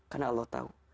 karena allah tahu